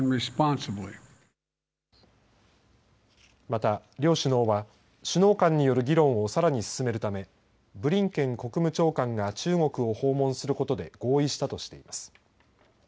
また両首脳は首脳間による議論をさらに進めるためブリンケン国務長官が中国を訪問することで合意したとしています。